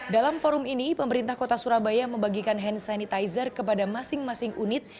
dalam forum ini pemerintah kota surabaya membagikan hand sanitizer kepada masing masing unit